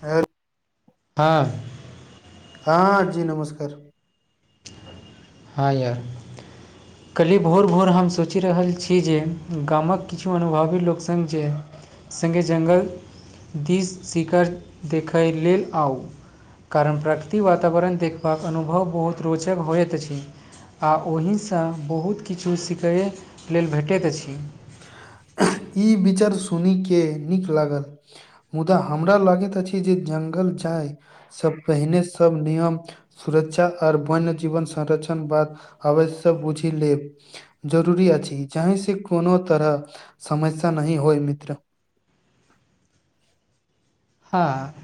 आ हाँ हँ जी नमस्कार ह यर कली भोर भोर हम सोचि रहल छी जे गामक किछु अनुभवी लोक सङ्ग जे सङ्गे जङ्गल दिस शिकर देखय लेल आउ कारण प्रकृतिक वातावरण देखबाक अनुभव बहुत रोचक होइत अछि आ ओहिसँ बहुत किछु सिखै लेल भेटैत अछि ई विचार सुन के नीक लागल मुदा हमरा लागैत अछि जे जंगल जाय से पहिने सब नियम सुरक्षा आओर वन्य जीवन संरक्षण बाद अवश्य बुझि लेब जरूरी अछि जाहिसँ कोनो तरह समस्या नहि होइ मित्र हँ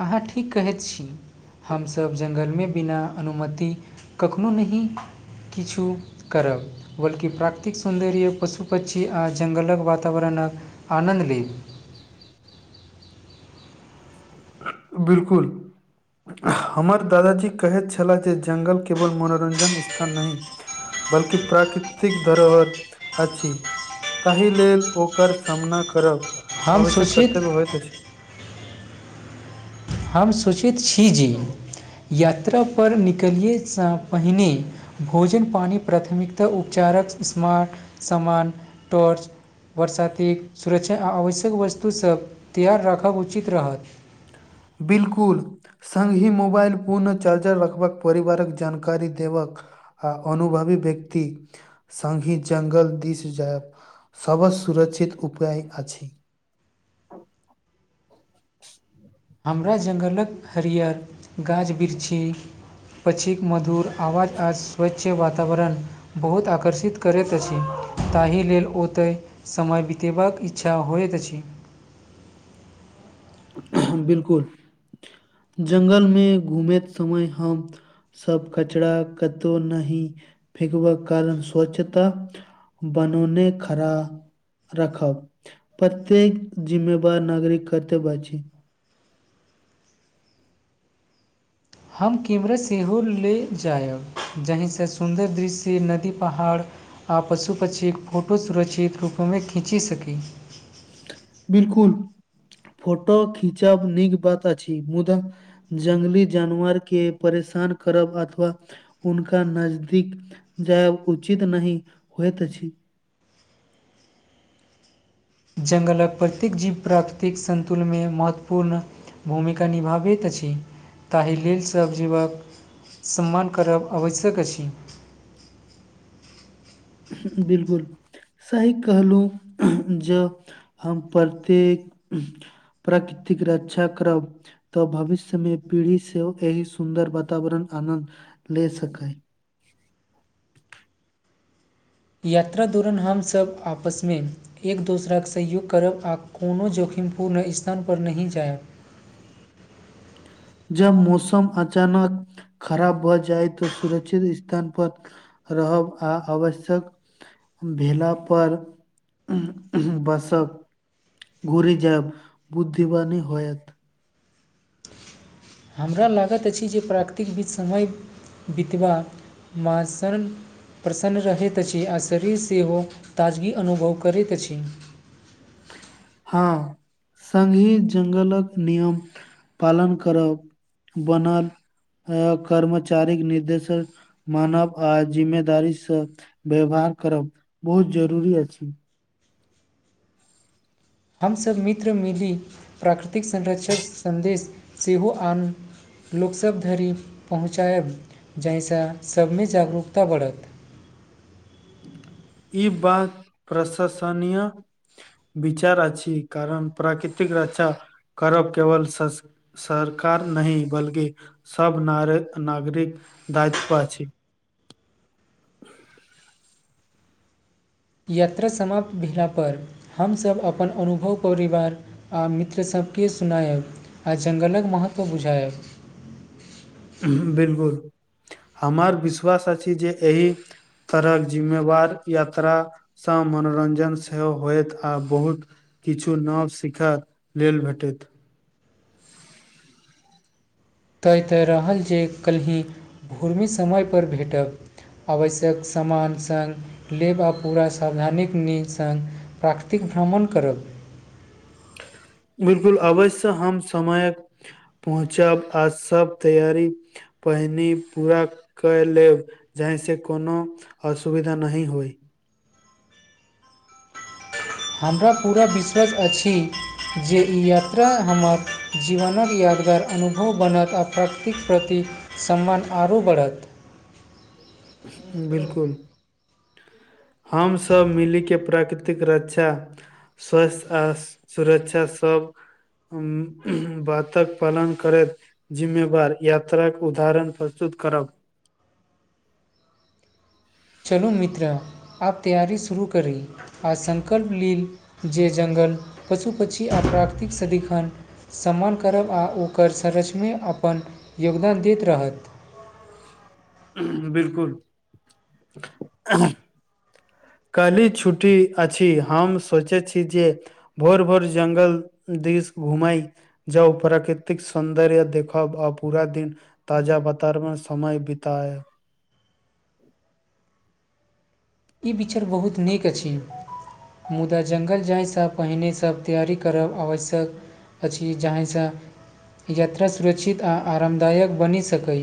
अहाँ ठीक कहैत छी हमसभ जंगलमे बिना अनुमति कखनो नहि किछु करब बल्कि प्राकृतिक सौन्दर्य पशु पक्षी आ जंगलक वातावरणक आनन्द लेब बिलकुल हमर दादाजी कहैत छलाह जे जंगल केवल मनोरंजन स्थान नहि बल्कि प्राकृतिक धरोहर अछि ताहि लेल ओकर सामना करब हम अवश्यक सोचैत कर्तव्य होइत अछि हम सोचैत छी जे यात्रापर निकलियैसँ पहिने भोजन पानि प्राथमिकता उपचारक स्मार्ट सामान टॉर्च बरसातिक सुरक्षा आ आवश्यक वस्तुसभ तैयार राखब उचित रहत बिल्कुल संग ही मोबाइल पुर्ण चार्ज रखबाक परिवारक जानकारी देबाक आ अनुभवी व्यक्ति संग ही जंगल दिस जायब सभसँ सुरक्षित उपाय अछि हमरा जंगलक हरियर गाछ वृक्षी पछीक मधुर आवज आ स्वच्छ वातावरण बहुत आकर्षित करैत अछि ताहि लेल ओतय समय बितेबाक इच्छा होइत अछि बिलकुल जंगल मे घुमेैत समय हम सब कचरा कतौ नहि फेकबाक कारण स्वच्छता बनौने खरा रखब प्रत्येक जिम्मेवार नागरिक कर्तव्य अछि हम कैमरा सेहो ले जायब जाहिसँ सुन्दर दृश्य नदी पहाड़ आ पशु पक्षीक फोटो सुरक्षित रूपमे खींची सकी बिलकुल फोटो खिचब नीक बात अछि मुदा जंगली जानवर के परेशान करब अथवा उनका नजदीक जायब उचित नहि होइत अछि जंगलक प्रत्येक जीव प्राकृतिक संन्तुलनमे महत्वपूर्ण भूमिका निभाबैत अछि ताहि लेल सभ जीवक सम्मान करब आवश्यक अछि बिलकुल सही कहलहुँ जँ हम प्रत्येक प्राकृतिक रक्षा करब तऽ भविष्य मे पीढ़ी सेहो एहि सुन्दर वातावरण आनन्द ले सकै यात्रा दौरान हमसभ आपसमे एक दोसराके सहयोग करब आ कोनो जोखिमपूर्ण स्थानपर नहि जायब जब मौसम अचानक खराब भऽ जाइ तऽ सुरक्षित स्थान पर रहब आ आवश्यक भेलापर बसब घुरे जायब बुद्धिमानी होयत हमरा लागैत अछि जे प्राकृतिक बीच समय बितबा बा संग प्रसन्न रहैत अछि आ शरीर सेहो ताजगी अनुभव करैत अछि हँ संगहि जंगलक नियम पालन करब बनल अ कर्मचारीक निर्देश मानब आ जिम्मेदारी से व्यवहार करब बहुत जरूरी अछि हमसभ मित्र मिली प्राकृतिक संरक्षक सन्देश सेहो आन लोकसब धरि पहुँचायब जाहिसँ सभमे जागरूकता बढ़त ई बात प्रशंसनीय विचार अछि कारण प्राकृतिक रक्षा करब केवल सरकार नहि बल्कि सब नारी नागरिक दायित्व छै यत्र समाप्त भेला पर हमसभ अपन अनुभव परिवार आ मित्र सभ के सुनायब आ जंगलक महत्व बुझायब बिलकुल हमर विश्वास अछि जे एहि तरहक जिम्मेवार यात्रा से मनोरंजन सेहो होयत आ बहुत किछु नव सिखय लेल भेटैत तय तऽ रहल जे कल्हि भूरमि समय पर भेटब आवश्यक सामन संग लेब आ पूरा सावधानीक नीह संग प्राकृतिक भ्रमण करब बिलकुल अवश्य हम समय पहुँचब आ सब तैयारी पहिनी पूरा क लेब जाहि से कोनो असुविधा नहि होई हमरा पूरा विश्वास अछि जे ई यात्रा हमर जीवनक यादगार अनुभ बनत आ प्रकृतिक प्रति सम्मान आ आरो बढ़त बिलकुल हम सभ मिली के प्राकृतिक रक्षा स्वास्थ्य आ सुरक्षा सभ बातक पालन करैत जिम्मेवार यात्राक उदाहरण प्रस्तुत करब चलू मित्रा आप तैयरी शुरू करी आ सङ्कल्प ली जे जंगल पशु पक्षी आ प्राकृतिक सदिखन सम्मान करब आ ओकर सरचमे अपन योगदान दैत रहत बिलकुल काल्हि छुट्टी अछि हम सोचैत छी जे भोर भोर जंगल दिश घूमे जउ प्राकृतिक सौंन्दर्य देखब आ पूरा दिन ताजा बतर मे समय बीतायब ई विचार बहुत नीक अछि मुदा जङ्गल जायसँ पहिने सभ तैयारी करब आवश्यक अछि जाहिसँ यात्रा सुरक्षित आ आरामदायक बनि सकै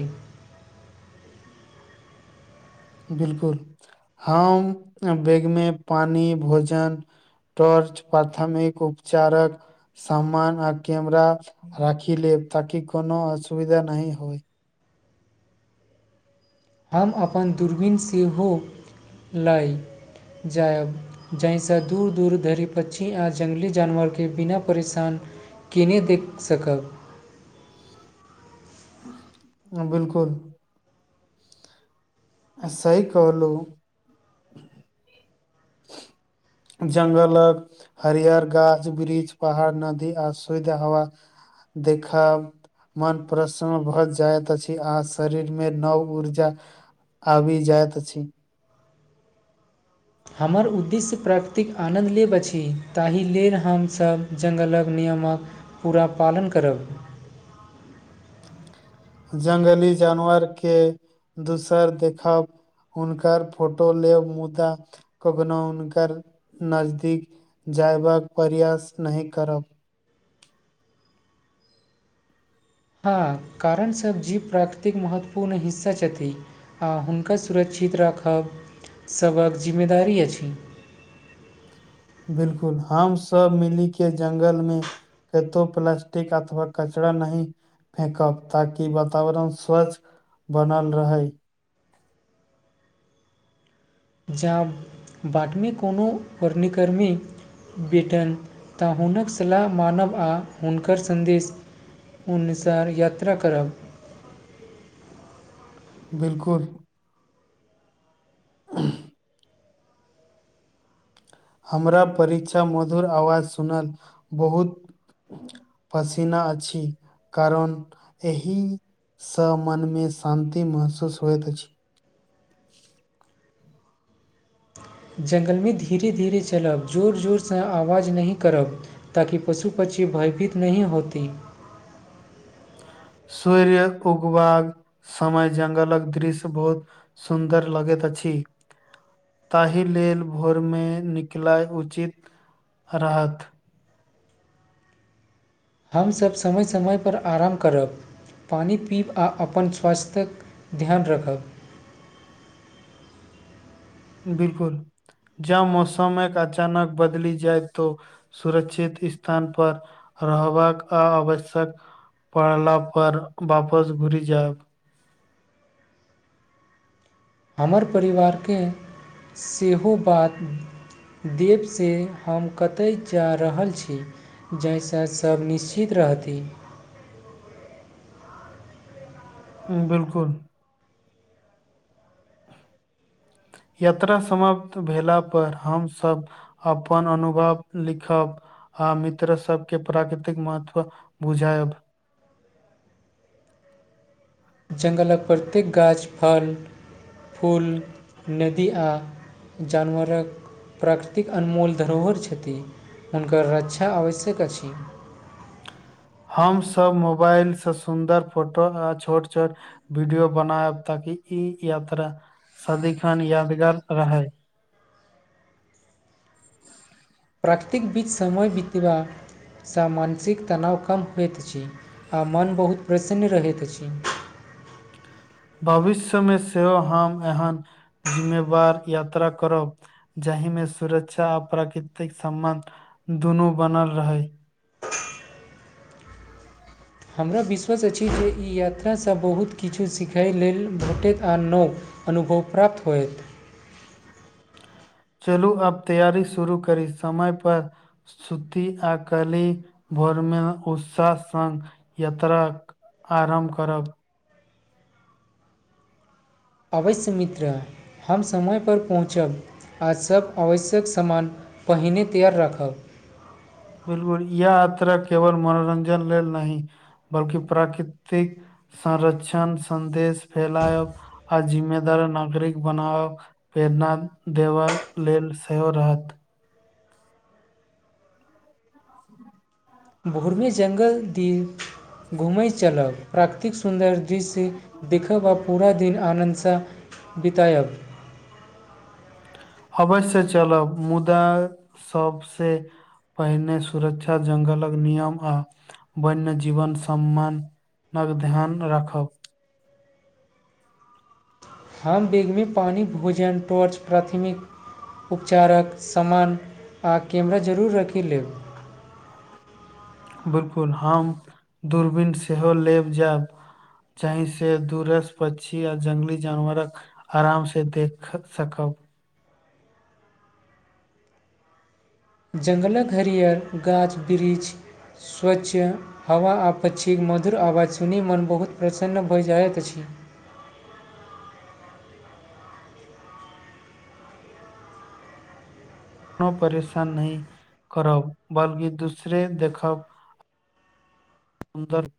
बिलकुल हम बैगमे पानी भोजन टॉर्च प्राथमिक उपचारक समान आ कैमरा राखि लेब ताकि कोनो असुविधा नहि होय हम अपन दूरबीन सेहो लऽ जायब जाहिसँ दूर दूर धरि पक्षी आ जङ्गली जानवरके बिना परेशान के नहि देख सकब बिलकुल सही कहलु ह जंगलक हरियर गाछ वृक्ष पहाड़ नदी आ शुद्ध हवा देखब मन प्रसन्न भऽ जाइत अछि आ शरीर मे नव ऊर्जा आबि जाइत अछि हमर उद्देश्य प्राकृतिक आनन्द लेब अछि ताहि लेल हम सभ जङ्गलक नियमक पूरा पालन करब ज्ंगली जानवर के दूसर देखब हुनकर फोटो लेब मुदा कखनो हुनकर नजदीक जयबाक प्रयास नहि करब हँ कारण सब जी प्राकृतिक महत्वपूर्ण हिस्सा छथि आ हुनका सुरक्षित राखब सभक जिम्मेदारी अछि बिलकुल हम सब मिली के जंगल मे केतो प्लास्टिक अथव कचड़ा नहि फेकब ताकि वातावरण स्वच्छ बनल रहय जाँ बादमेी कोनो वर्णिकर्मी भेटनि तऽ हुनक सलाह मानब आ हुनकर सन्देश हुनुसार यात्रा करब बिलकुल हमरा परीक्षा मधुर आवाज सुनल बहुत पसीना अ छी कारण एहि सँ मनमे शान्तति महसूस होइत अछि जङ्गलमे धीरे धीरे चलब जोर जोर सँ आवाज नहि करब ताकि पशु पक्षी भयभीत नहि होती सूर्य उगबाक समय जगलक दृश्य बहुत सुन्दर लगैत अ छी ताहि लेल भोरमे निकलय उचित रहत हमसब समय समय परर आराम करब पानि पीब आ अपन स्वास्थ्यक ध्यान राखब बिलकुल जब मौसम एक अचानक बदली जाय त सुरक्षित स्थान पर रहबाक आ आवश्यक पढ़ला पर वापस घुर जायब हमर परिवारके सेहो बात देब से हम कतय जा रहल छी जाहिसँ सब निश्चित रहती बिलकुल यात्रा समाप्त भेला पर हमसभ अपन अनुभव लिखब आ मित्र सबके प्राकृतिक महत्व बुझायब जङ्गलक प्रत्येक गाछ फल फूल नदी आ जानवरक प्राकृतिक अनमोल धरोहर छथि हुनकर रक्षा आवश्यक अछि हम सब मोबाइल से सुंन्दर फोटो आ छोट छोट वीडियो बनायब ताकि ई यात्रा सदिखन यादगार रहै प्राकृतिक बीज समय बितबा सँ मानसिक तनाव कम होइत अछि आ मोन बहुत प्रसन्न रहैत अछि भविष्यमे सेहो हम एहन जिम्मेवार यात्रा करब जाहि मे सुरक्षा आ प्राकृतिक सम्बन्ध दुनू बनल रहै हमरा विश्वास अछि जे ई यात्रासँ बहुत किछु सिखै लेल भेटैत आ नओ अनुभव प्राप्त होयत चलू आब तैयारी शुरू करी समय पर सूती आ कालि भोरमे उत्साह सङ्ग यात्राक आरम्भ करब अवश्य मित्र हम समयपर पहुँचब आ सब आवश्यक समान पहिने तैयार राखब बिलकुल यह यात्रा केवल मनोरञ्जन लेल नहि बल्कि प्राकृतिक संरक्षण संदेश फैलायब आ जिम्मेदार नागरिक बनाब प्रेरणा देबा लेल सेहो रहत भोरमे जङ्गल दीप घूमैत चलब प्राकृतिक सुन्दर बीसी देखिखब आ पूरा दिन आनन्दसँ बितायब अवश्य चलब मुदा सबसे पहिने सुरक्षा जंगलक नियम आ वन्य जीवन सम्मान पर ध्यान राखब हम बेैगमी पानि भोजन पाॅर्च प्राथमिक उपचारक समान आ कैमरा जरूर राखि लेब बिलकुल हम दूरबीन सेहो लेब जायब जहिसे दूरस पक्षी आ जंगली जानवरक आराम से देख सकब जङ्गलक हरियर गाछ वृक्ष स्वच्छ हवा आ पक्षीक मधुर आवाज सुनी मन बहुत प्रसन्न भऽ जाइत अछि कोनो परेशान नहि करब बल्कि दूसरे देखब सुन्दर